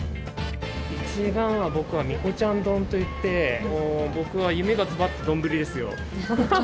一番は、僕はみこちゃん丼といって夢が詰まった丼ですよ。